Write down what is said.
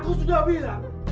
aku sudah bilang